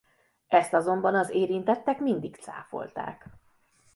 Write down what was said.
Ezt azonban az érintettek mindig cáfolták.